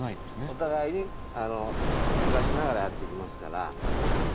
お互いに暮らしながらやっていきますから。